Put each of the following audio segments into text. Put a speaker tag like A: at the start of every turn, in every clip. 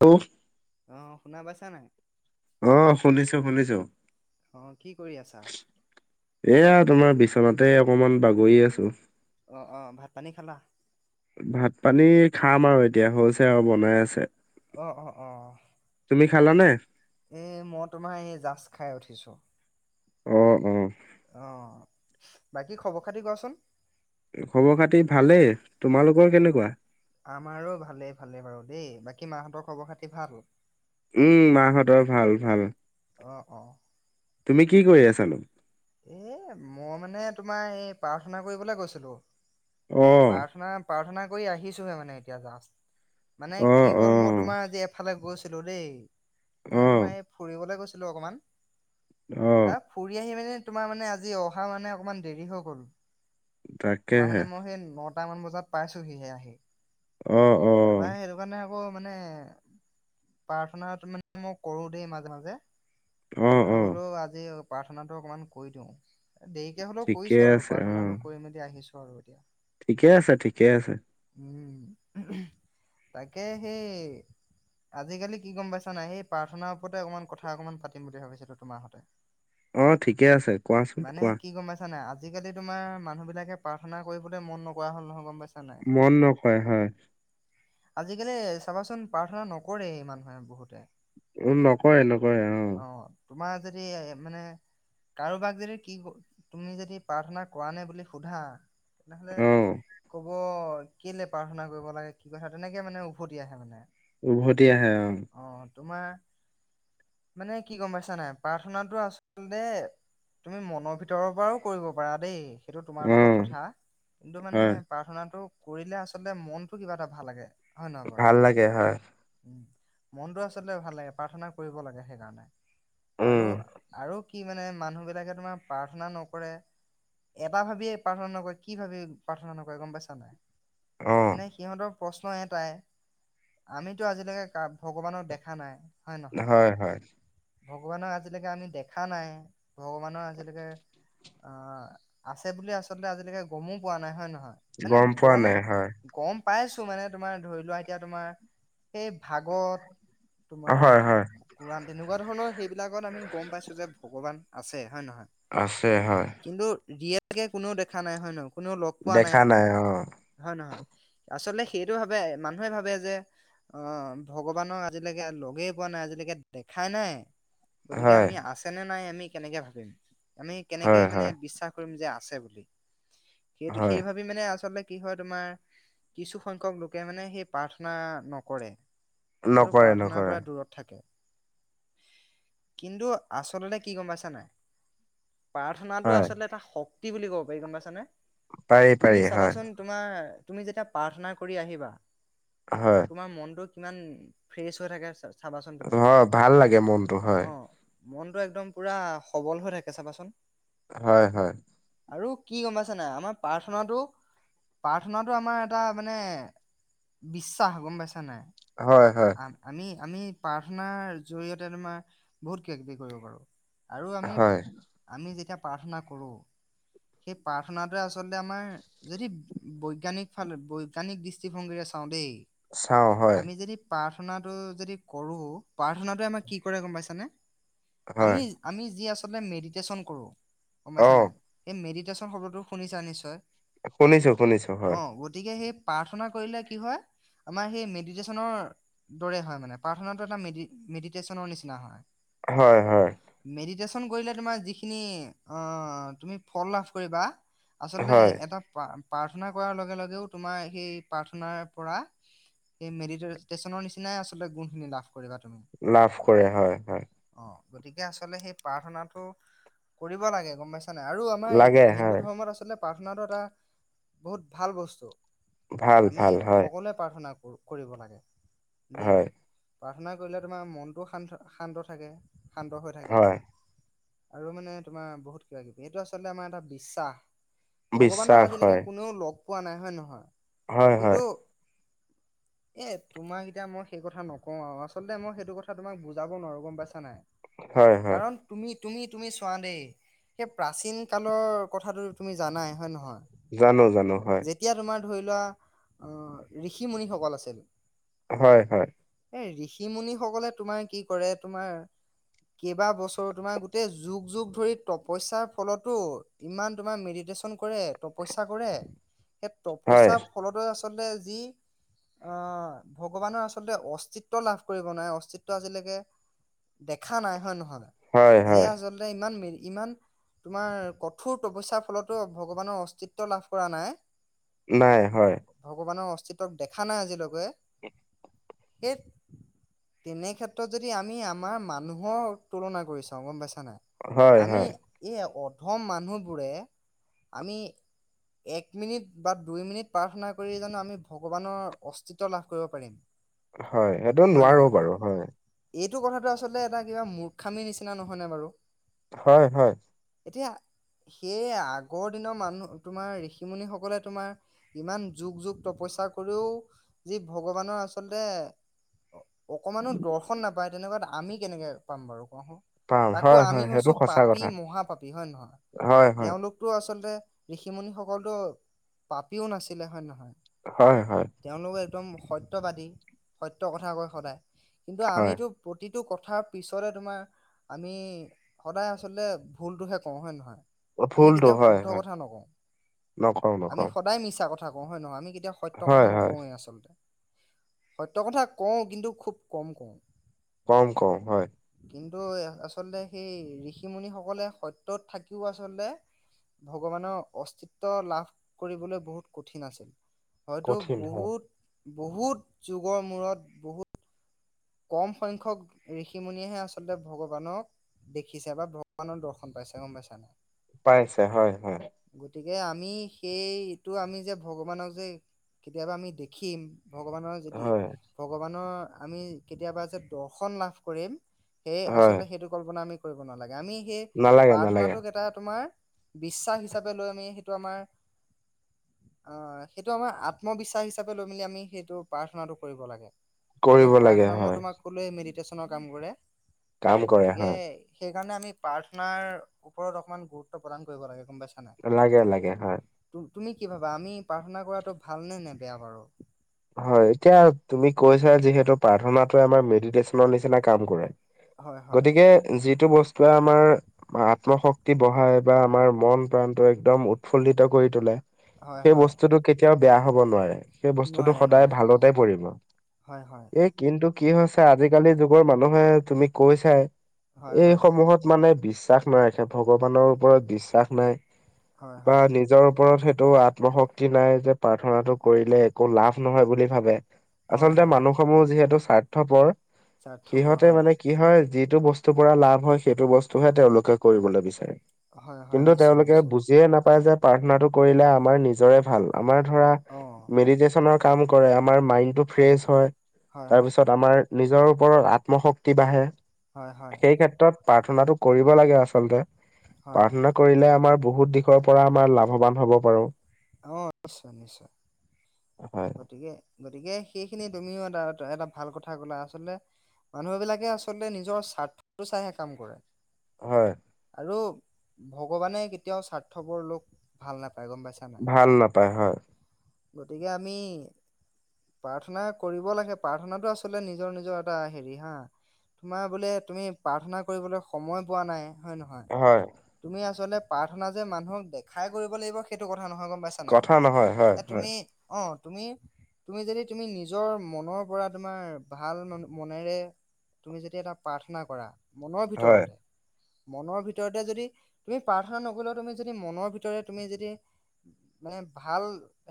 A: Hello.
B: অহ' শুনা পাইছা নাই।
A: অ শুনিছো শুনিছো
B: অহ' কি কৰি আছা?
A: এয়া তোমাৰ বিছনাতে, অকণমান বাগৰি আছো।
B: অ অ ভাত পানী খালা
A: ভাত পানী খাম আৰু এতিয়া হৈছে আৰু বনাই আছে
B: অ', অ', অ'।
A: তুমি খালা নে?
B: এ মই তোমাৰ এই জাৰ্ষ্ট খাই উঠিছো।
A: অ অ
B: অহ'। বাকী খবৰ খাতি কোৱাচোন।
A: খবৰ খাতি ভালেই তোমালোকৰ কেনেকুৱা
B: আমাৰো ভালেই, ভালে বাৰু দেই, বাকী মা হঁতৰ খবৰ খাতি ভাল।
A: উম' মা হঁতৰ ভাল, ভাল।
B: অ অ
A: তুমি কি কৰি আছানো
B: এ মই মানে, তোমাৰ এই প্ৰাৰ্থনা কৰিবলৈ গৈছিলো।
A: অ
B: প্ৰাৰ্থনা, প্ৰাৰ্থনা কৰি আহিছো হে মানে এতিয়া জাৰ্ষ্ট। মানে
A: অ
B: কি
A: অ
B: হ'ল মই তোমাৰ আজি এফালে গৈছিলো দেই,
A: অ
B: মানে তোমাৰ এই ফুৰিবলৈ গৈছিলো। অকমান
A: অ
B: এ ফুৰি আহি মানে তোমাৰ মানে আজি অহা মানে অকণমান দেৰি হৈ গ'ল, তোমাৰ
A: তাকেহে
B: মানে মই সেই। নটামান বজাত পাই আছোহি হে আহি।
A: অহ', অহ'।
B: ক মানে প্ৰাৰ্থনাটো মানে মই কৰো দেই মাজে মাজে
A: অ
B: ত
A: অ
B: বোলো আজি প্ৰাৰ্থনাটো অকমান কৈ দিওঁ দেৰিকে হ'লেও
A: ঠিকে
B: কৰিছো আৰু
A: আছে অ
B: প্ৰাৰ্থনাটো কৰি মেলি আহিছো আৰু এতিয়া।
A: ঠিকে আছে। ঠিকে আছে।
B: [unintelligible] তাকে, সেই। আজিকালি কি গম পাইছা নাই সেই প্ৰাৰ্থনাৰ ওপৰতে অকণমান কথা অকমান পাতিম বুলি ভাবিছিলো তোমাৰ হতে
A: অ ঠিকে আছে কোৱাচোন কোৱা
B: কি গম পাইছা নাই আজিকালি তোমাৰ মানুহবিলাকে প্ৰাৰ্থনা কৰিবলৈ মন নকৰা হ'ল নহয় গম পাইছে
A: মন নকয়, হয়।
B: আজিকালি চাবাচোন প্ৰাৰ্থনা নকৰেই মানুহে বহুতে
A: উম' নকয় অ'।
B: তোমাৰ যদি, মানে। কাৰোবাক যদি কি তুমি যদি প্ৰাৰ্থনা কৰা নে বুলি সোধা তেনেহলে
A: অহ
B: ক'ব কেলে পাৰা নাই। কৰিব লাগে কি কথা তেনেকে মানে উভতি আহে মানে
A: উভতি আহে, অহ।
B: অ তোমাৰ, মানে কি গম পাইছা নাই, প্ৰাৰ্থনাটো আচলতে। তুমি মনৰ ভিতৰৰ পৰাও কৰিব পাৰা দেই সেইটো তোমাৰ
A: অহ
B: লগত কথা, কিন্তু মানে
A: হয়
B: প্ৰাৰ্থনাটো কৰিলে আচলতে মনতটো কিবা এটা ভাল লাগে। হয় নহয় বাৰু
A: ভাল লাগে হয়
B: উম মনটো আচলতে ভাল লাগে প্ৰাৰ্থনা কৰিব লাগে সেইকাৰণে
A: উম
B: আৰু আৰু কি মানে, মানুহ বিলাকে তোমাৰ প্ৰাৰ্থনা নকৰে। এটা ভাবিয়ে প্ৰাৰ্থনা নকৰে কি ভাবি প্ৰাৰ্থনা নকৰে গম পাইছা নাই
A: অহ
B: এনে সিহঁতৰ প্ৰশ্ন এটাই, আমিতো আজিলৈকে ভগৱানক দেখা নাই।
A: হয় হয়
B: ভগৱানক আজিলৈকে আমি দেখা নাই, ভগৱানৰ আজিলৈকে অ আছে বুলি আচলতে আজিলৈকে গমো পোৱা নাই, হয় নহয়? হয় মানে
A: পোৱা
B: গম
A: নাই হয়
B: গম পাইছো মানে তোমাৰ ধৰি লোৱা এতিয়া তোমাৰ এই ভাগত তোমাৰ
A: হয় হয়
B: কুৰানদেৱ এনেকুৱা ধৰণৰ সেইবিলাকত আমি গম পাইছো যে ভগৱান আছে। হয় নহয়?
A: আছে হয়
B: কিন্তু ৰিয়েলকে কোনো দেখা নাই হয় ন কোনেও লগ পোৱা নাই,
A: দেখা অহ
B: হয় নহয়? আচলতে সেইটো ভাবে মানুহে ভাবে যে অ ভগৱানক আজিলৈকে লগেই পোৱা নাই আজিলৈকে দেখাই নাই গতিকে
A: হয়
B: আমি আছেনে নাই আমি কেনেকে ভাবিম। আমি কেনেকে
A: হয়
B: মানে
A: হয়
B: বিশ্বাস কৰিম যে আছে বুলি সেইটো
A: হয়
B: সেই ভাবি মানে আচলতে কি হয় তোমাৰ কিছু সংখ্যক লোকে মানে সেই প্ৰাৰ্থনা নকৰে। আৰু
A: নকৰে
B: প্ৰাৰ্থনাাৰ
A: নকৰে
B: পৰা দূৰত থাকে কিন্তু আচলতে কি গম পাইছ নাই প্ৰাৰ্থনাাটো
A: হয়
B: আচলতে এটা শক্তি বুলি ক'ব পাৰি গম পাইছানে
A: পাৰি
B: তুমি
A: পাৰি হয়
B: চাবাচোন তোমাৰ তুমি যেতিয়া প্ৰাৰ্থনা কৰি আহিবা
A: হয়
B: তোমাৰ মনটো কিমান ফ্ৰেছ হৈ থাকে চাবাচোন তুমি এবাৰ।
A: হয় ভাল লাগে মনটো হয়
B: অ মনটো একদম পুৰা সবল হৈ থাকে চাবাচোন।
A: হয়, হয়।
B: আৰু কি গম পাইছ নাই আমাৰ প্ৰাৰ্থনাটো প্ৰাৰ্থনাটো আমাৰ এটা মানে বিশ্বাস গম পাইছা নাই
A: হয় হয়
B: আম- আমি আমি প্ৰাৰ্থনাৰ জৰিয়তে তোমাৰ বহুত কিবা কিবি কৰিব পাৰো আৰু আমি
A: হয়
B: আমি যেতিয়া প্ৰাৰ্থনা কৰোঁ। সেই প্ৰাৰ্থনাটোে আচলতে আমাৰ যদি বৈজ্ঞানিক ফালে বৈজ্ঞানিক দৃষ্টিভংগীৰে চাওঁ দেই
A: চাওঁ হয়
B: আমি যদি প্ৰাৰ্থনাটো যদি কৰো প্ৰাৰ্থনাটোৱে আমাৰ কি কৰে গম পাইছানে?
A: হয়
B: আমি আমি যি আচলতে মেডিটেশ্যন কৰো গম পাইছ
A: অহ
B: নে মেডিটেশচন শব্দটো শুনিছা নিশ্চয়
A: শুনিছো শুনিছো
B: অ
A: হয়
B: গতিকে সেই প্ৰাৰ্থনা কৰিলে কি হয় আমাৰ সেই মেডিটেশনৰ দৰে হয় মানে প্ৰাৰ্থনাটো এটা মেডি মেডিটেশনৰ নিচিনা হয়।
A: হয় হয়
B: মেডিটেশ্যন কৰিলে তোমাৰ যিখিনি অ তুমি ফল লাভ কৰিবা আচলতে
A: হয়
B: এটা প্ৰাৰ্থনা কৰাৰ লগে লগেও তোমাৰ সেই প্ৰাৰ্থনাৰ পৰা সেই মেডেটেচনৰ নিচিনাই আচলতে গুণখিনি লাভ কৰিবা তুমি
A: লাভ কৰে হয় হয়।
B: অ গতিকে আচলতে সেই প্ৰাৰ্থনাটো কৰিব লাগে গম পাইছা নাই। আৰু আমাৰ
A: লাগে
B: হিন্দু
A: হয়
B: ধৰ্মত আচলতে প্ৰাৰ্থনাটো এটা বহুত ভাল বস্তু
A: ভাল
B: আমি
A: ভাল হয়
B: সকলোৱে প্ৰাৰ্থনা কৰিব লাগে দেই
A: হয়
B: প্ৰাৰ্থনা কৰিলে তোমাৰ মনটো শান্ত শান্ত থাকে শান্ত হৈ থাকে
A: হয়
B: আৰু মানে তোমাৰ বহুত কিবা কিবি এইটো আচলতে আমাৰ এটা বিশ্বাস। ভগৱানক
A: বিশ্বাস
B: আজিলৈকে
A: হয়
B: কোনেও লগ পোৱা নাই হয়নে নহয়?
A: হয়
B: কিন্তু
A: হয়।
B: এ তোমাক এতিয়া মই সেই কথা নকওঁ আৰু আচলতে মই সেইটো কথা তোমাক বুজাব নোৱাৰো গম পাইছা নাই।
A: হয় হয়
B: কাৰণ তুমি তুমি তুমি চোৱা দেই। সেই প্ৰাচীন কালৰ কথাটো তুমি জানাই হয়ে নহয়।
A: জানো জানো হয়।
B: যেতিয়া তোমাৰ ধৰি লোৱা, অহ, ঋষি মুনিসকল আছিল।
A: হয় হয়।
B: এই ঋষি মুনি সকলে তোমাৰ কি কৰে তোমাৰ কেইবা বছৰো তোমাৰ গোটেই যুগ যুগ ধৰি তপ। তপস্যাৰ ফলতো ইমান তোমাৰ মেডিটেশচন কৰে তপস্যা কৰে। সেই
A: হয়
B: তপস্যাৰ ফলতে আচলতে যি। অহ' ভগৱানৰ আচলতে অস্তিত্য লাভ কৰিব নোৱাৰে, অস্তিত্ব আজিলৈকে। দেখা নাই হয়
A: হয়
B: নহয় যিয়ে
A: হয়
B: আচলতে ইমান ম ইমান তোমাৰ কঠোৰ তপস্যৰ ফলতো ভগৱানৰ অস্তিত্ব লাভ কৰা নাই।
A: নাই হয়
B: ভগৱানৰ অস্তিত্বক দেখা নাই আজিলৈকে। এক তেনে ক্ষেত্ৰত যদি আমি আমাৰ মানুহৰ তুলনা কৰি চাও গম পাইছা হয় নাই,
A: হয়
B: আমি
A: হয়
B: এই অধম মানুহবোৰে আমি এক মিনিট বা দুই মিনিট প্ৰাৰ্থনা কৰি জানো আমি ভগৱানৰ অস্তিত্ব লাভ কৰিব পাৰিম।
A: হয়, সেইটো
B: হয়
A: নোৱাৰো
B: নহয়
A: বাৰু, হয়।
B: এইটো কথাটো আচলতে এটা কিবা মূৰ্খামীৰ নিচিনা নহয়নে বাৰু।
A: হয়, হয়।
B: এতিয়া। সেয়ে আগৰ দিনৰ মানুহ, তোমাৰ ঋষিমুনি সকলে তোমাৰ ইমান যুগ যুগ তপস্যা। সচা কৰিও, যি ভগৱানৰ আচলতে। অকমানো দৰ্শন নাপায়, তেনেকুৱা আমি কেনেকে পাম বাৰু।
A: পাম
B: তাকো
A: হয়
B: আমি
A: হয় সেইটো
B: হৈছো
A: সঁচা
B: পাপি
A: কথা
B: মহাপাপি হয় নহয়?
A: হয় হয়
B: তেওঁওলোকতো আ আচলতে ঋষিমুনি সকলতো পাপিও নাছিলে, হয় নে নহয়।
A: হয়, হয়।
B: তেওঁলোক একদম সত্যবাদী। সত্য কথা কয় সদায়। কিন্তু
A: হয়
B: আমিতো প্ৰতি। এইটো কথাৰ পিছৰে তোমাৰ, আমি সদায় আচলতে ভুলটোহে কওঁ হয় নে নহয়। আমি
A: ভুলটো
B: কেতিয়াও
A: হয়
B: শুদ্ধ
A: হয়
B: কথা নকওঁ,
A: নকওঁ
B: আমি
A: নকওঁ
B: সদায় মিছা কথা কওঁ হয় নহয়? আমি কেতিয়া এতিয়া সত্য কথা
A: হয় হয়
B: নকওঁ এই আচলতে। সত্য কথা কওঁ কিন্তু, খুব কম কওঁ।
A: কম কও হয়।
B: কিন্তু আচলতে, সেই ঋষিমুনিসকলে সত্যত থাকিওঁ আচলতে। ভগৱানৰ অস্তিত্ব লাভ কৰিবলৈ বহুত কঠিন আছিল। হয়তো
A: কঠিন হয়
B: বহুত বহুত যুগৰ মূৰত বহুত কম সংখ্যক ঋষি মুনিয়েহে আচলতে ভগৱানক দেখিছে বা ভগৱানৰ দৰ্শন পাইছে, গম পাইছা নাই।
A: পাইছে। হয়, হয়।
B: গতিকে, আমি সেইটো আমি যে ভগৱানক যে, কেতিয়াবা আমি দেখিম। ভগৱানৰ যদি,
A: হয়
B: ভগৱানৰ আমি কেতিয়াবা যে দৰ্শন লাভ কৰিম। সেই
A: হয়
B: আচলতে সেইটো কল্পনা আমি কৰিব নালাগে, আমি সেই
A: নালাগে নালাগে
B: প্ৰাৰ্থনাটোক এটা তোমাৰ। বিশ্বাস হিচাপে লৈ, আমি সেইটো আমাৰ। অহ' সেইটো আমাৰ আত্মবিশ্বাস হিচাপে লৈ মেলি আমি সেইটো, প্ৰাৰ্থনাটো কৰিব লাগে। আৰু
A: কৰিব লাগে।
B: প্ৰাৰ্থনা মই
A: হয়
B: তোমাক কলোএই মেডিটৈচনৰ কাম কৰে।
A: কাম কৰে
B: গতিকে
A: হয়
B: সেই সেইকাৰণে আমি প্ৰাৰ্থনাৰ, ওপৰত অকণমান গুৰুত্ব প্ৰদান কৰিব লাগে। গম পাইছা নাই
A: লাগে, লাগে হয়।
B: তুমি কি ভাবা, আমি প্ৰাৰ্থনা কৰাটো ভালনে নে বেয়া বাৰু।
A: হয় এতিয়া তুমি কৈছা যিহেতু প্ৰাৰ্থনাটোৱে আমাৰ মেডিটেশ্যনৰ নিচিনা কাম কৰে।
B: হয় হয়
A: গতিকে, যিটো বস্তু। এতিয়া আমাৰ আত্মশক্তি বঢ়াই, বা আমাৰ মন প্ৰান্ত একদম উৎফলিত কৰি তোলে।
B: হয়
A: সেই
B: হয়
A: বস্তুতটো কেতিয়াওঁ বেয়া হ'ব নোৱাৰে। টো
B: নোৱাৰে
A: সদায়
B: নোৱাৰে
A: ভালতে পৰিব।
B: হয় হয়
A: এই কিন্তু কি হৈছে আজিকালি যুগৰ মানুহে তুমি কৈছাই
B: হয় হয়
A: এইসমূহত মানে বি বিশ্বাস নাই সেই ভগৱানৰ ওপৰত বিশ্বাস নাই
B: হয়
A: বা
B: হয়
A: নিজৰ ওপৰত সেই এইটো আত্মশক্তি নাই যে প্ৰাৰ্থনাটো কৰিলে একো লাভ নহয় বুলি ভাবে।
B: হয়
A: আচলতে
B: হয়
A: মানুহসমূহ যিহেতু স্বাৰ্থপৰ
B: স্বাৰ্থপৰ
A: সিহঁতে
B: হয়
A: মানে কি হয় যি যিটো বস্তুৰ পৰা লাভ হয় সেইটো বস্তু হে তেওঁলোকে কৰিবলে বিচাৰে।
B: হয় হয়
A: কিন্তু,
B: নিশ্চয়
A: তেওঁলোকে
B: নিশ্চয়
A: বুজিয়ে নাপায় যে প্ৰাৰ্থনাটো কৰিলে আমাৰ নিজৰে ভাল আমাৰ ধৰা
B: অ
A: মেডিটেচনৰ কাম কৰে আমাৰ মাইণ্ডটো ফ্ৰেচ হয়
B: হয় হয়
A: তাৰপিছত আমাৰ নিজৰ ওপৰত আত্মশক্তি বাঢ়ে,
B: হয় হয়
A: সেই ক্ষেত্ৰত প্ৰাৰ্থনাটো কৰিব লাগে, আচলতে
B: হয়
A: প্ৰাৰ্থনা কৰিলে আমাৰ বহুত দিশৰ পৰা আমাৰ লাভবান হ'ব পাৰো।
B: অ', নিশ্চয়- নিশ্চয়
A: হয়
B: গতিকে- গতিকে সেইখিনি তুমিও তাৰ এটা ভাল কথা ক'লা আচলতে মানুহ বিলাকে আচলতে নিজৰ স্বাৰ্থটো চাইহে কাম কৰে।
A: হয়।
B: আৰু ভগৱানে কেতিয়াও স্বাৰ্থপৰ লোক ভাল নাপায়। গম পাইছা নাই
A: ভাল নাপায় হয়।
B: গতিকে আমি। প্ৰাৰ্থনা কৰিব লাগে, প্ৰাৰ্থনাটো আচলতে নিজৰ- নিজৰ এটা হেৰি হা। তোমাৰ বোলে তুমি প্ৰাৰ্থনা কৰিবলৈ সময় পোৱা নাই। হয় নহয়
A: হয়,
B: তুমি আচলতে প্ৰাৰ্থনা যে মানুহক দেখাই কৰিব লাগিব সেইটো ক কথা নহয় গম পাইছা নাই
A: কথা নহয় হয়,
B: এ
A: হয়,
B: তুমি অ' তুমি তুমি যদি তুমি নিজৰ মনৰ পৰা তোমাৰ ভাল মনেৰে তুমি যেতিয়া এটা প্ৰাৰ্থনা কৰা মনৰ
A: হয়,
B: ভিতৰতে। মনৰ ভিতৰতে যদি তুমি প্ৰাৰ্থনা নকৰিলেও তুমি যদি মনৰ ভিতৰে তুমি যদি মানে ভাল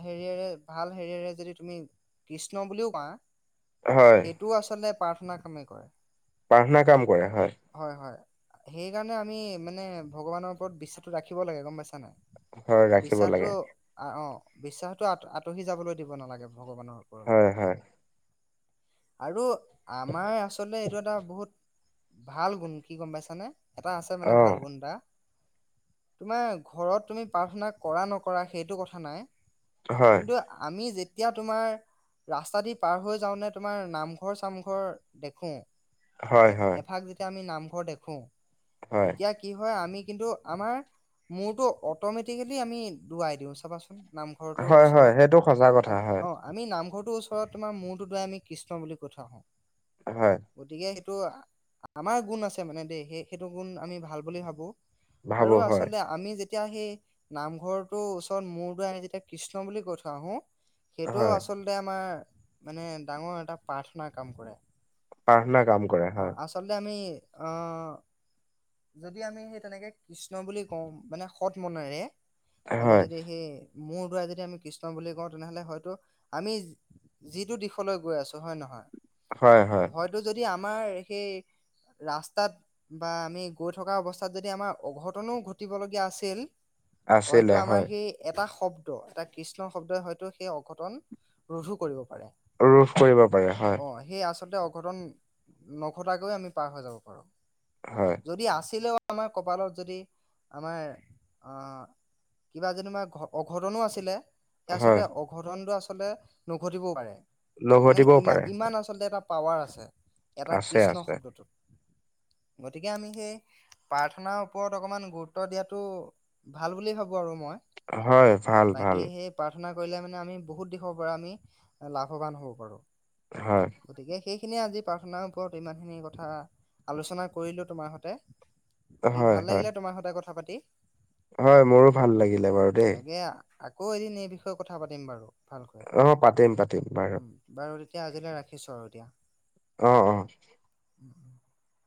B: হেৰিয়ৰে। ভাল হেৰিৰে যদি তুমি কৃষ্ণ বুলিও কোৱা
A: হয়।
B: সেইটো আচলতে প্ৰাৰ্থনা কামেই কৰে।
A: প্ৰাৰ্থনা কাম কৰে হয়।
B: সেইকাৰণে আমি মানে ভগৱানৰ ওপৰত বিশ্বাসটো ৰাখিব লাগে গম পাইছা নাই।
A: হয় ৰাখিব
B: বিশ্বাসটো
A: লাগে
B: অ'-অ' বিশ্বাসটো আতহি যাবলৈ দিব নালাগে। ভগৱানৰ ওপৰত
A: হয়, হয়,
B: আৰু আমাৰ আচলতে এইটো এটা বহুত ভাল গুণ কি গম পাইছানে। এটা আছে মানে
A: অ',
B: ভাল গুণ এটা। তোমাৰ ঘৰত তুমি প্ৰাৰ্থনা কৰা নকৰা সেইটো কথা নাই।
A: হয়।
B: কিন্তু আমি যেতিয়া এতিয়াও তোমাৰ ৰাস্তা দি পাৰ হৈ যাওঁ তেনে তোমাৰ নামঘৰ চামঘৰ দেখো।
A: হয়,
B: এ
A: হয়,
B: এফাগ যেতিয়া আমি নামঘৰ দেখো,
A: হয়,
B: তেতিয়া কি হয় আমি কিন্তু আমাৰ মূৰটো অটমেটিকেলি আমি দোৱাই দিওঁ চাবাচোন নামঘৰটোৰ
A: হয়,
B: উচ
A: হয়, সেইটো সচা কথা হয়।
B: টো ওচৰত তোমাৰ মূৰটো দুৱাই আমি কৃষ্ণ বুলি কৈ থৈ আহোঁ,
A: হয়,
B: গতিকে ত' আমাৰ গুণ আছে মানে দেই সেই সেইটো গুণ আমি ভাল বুলি ভাবো। আৰু
A: ভাবো হয়।
B: আচলতে আমি যেতিয়া সেই নামঘৰটোৰ ওচৰত মূৰ দোৱাই আমি যেতিয়া কৃষ্ণ বুলি কৈ থৈ আহো সেইটোও
A: হয়,
B: আচলতে আমাৰ মানে ডাঙৰ এটা পাৰ্থনা কাম কৰে।
A: পাৰ্থনা
B: অ' আচলতে আমি অ', যদি আমি সেই তেনেকে কৃষ্ণ বুলি কওঁ মানে সৎ মনেৰে।
A: হয়,
B: আমি যদি সেই মোৰ দুৱাই যদি আমি কৃষ্ণ বুলি কওঁ তেনেহ'লে হয়তো আমি যিটো দিশলৈ গৈ আছো হয় নহয়।
A: হয়, হয়,
B: হয়তো যদি আমাৰ সেই ৰাস্তাত বা আমি গৈ থকা অৱস্থাত যদি আমাৰ অঘটনো ঘটিবলগীয়া আছিল। হয়তো
A: আছিলে
B: আমাৰ
A: হয়।
B: সেই এটা শব্দ এটা কৃষ্ণ শব্দই হয়তো সেই অঘটন ৰোধো কৰিব পাৰে।
A: ৰোধ কৰিব পাৰে হয়।
B: অ সেই অঘটন নঘটাকৈ আমি পাৰ হৈ যাব লাগিব,
A: হয়,
B: যদি অঘটন আছিলে আমাৰ কপালত যদি আমাৰ। কিবা যেনিবা অঘটনো আছিলে। স
A: হয়,
B: আচলতে অঘটনটো আচলতে নঘটিবও পাৰে মানে
A: লঘটিবও পাৰে
B: ইমান-ইমান আচলতে এটা পাৱাৰ আছে এটা
A: আছে,
B: কৃষ্ণ
A: আছে।
B: শব্দটোত। গতিকে আমি সেই প্ৰাৰ্থনাৰ ওপৰত অকমান গুৰুত্ব দিয়াতটো ভাল বুলি ভাবো আৰু মই
A: হয়, ভাল-ভাল।
B: শেনা কৰিলে মানে আমি বহুত দিশৰ পৰা আমি লাভৱান হ'ব পাৰো
A: হয়,
B: গতিকে সেইখিনিয়ে আজি প্ৰাৰ্থনাৰ ওপৰত ইমানখিনি কথা আলোচনা কৰিলো তোমাৰ সতে। বাকি
A: হয়,
B: ভাল
A: হয়,
B: লাগিলে, তোমাৰ সতে কথা পাতি।
A: হয়, মোৰো ভাল
B: উম
A: লাগিলে বাৰু দেই।
B: তাকে আকৌ এদিন এই বিষয়ে কথা পাতিম বাৰু। ভালকৈ
A: অহ পাতিম, পাতিম বাৰু।
B: এতিয়া আজিলৈ ৰাখিছো আৰু এতিয়া,
A: অ'-অ'।
B: [inaudible]